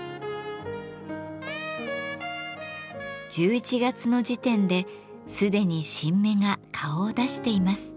１１月の時点ですでに新芽が顔を出しています。